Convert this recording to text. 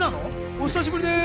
「お久しぶりです！」